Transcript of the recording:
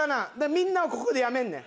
みんなはここでやめんねん。